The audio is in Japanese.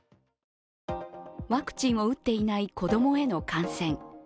ワクチンを打っていない子供への感染。